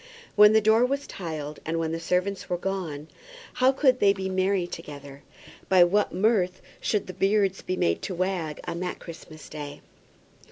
When the door was tiled, and when the servants were gone, how could they be merry together? By what mirth should the beards be made to wag on that Christmas Day?